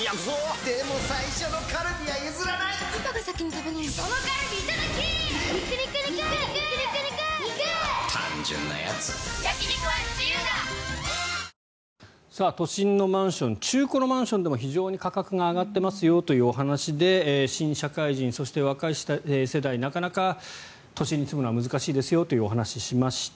そうすると、大体会社とか少し学校から２０３０分は離れても都心のマンション中古のマンションでも非常に価格が上がっていますよというお話で新社会人、そして若い世代なかなか都心に住むのは難しいですという話をしました。